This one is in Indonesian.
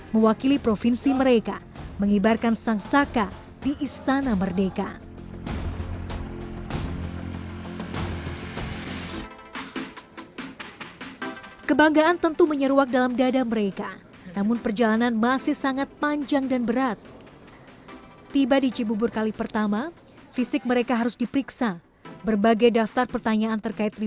mewakili provinsi mereka menghibarkan sang saka di istana merdeka